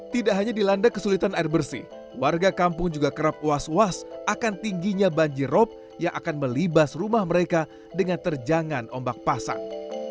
tidak hanya dilanda kesulitan air bersih warga kampung juga kerap was was akan tingginya banjirop yang akan melibas rumah mereka dengan terjangan ombak pasang